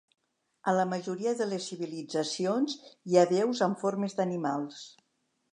A la majoria de les civilitzacions hi ha déus amb formes d'animals.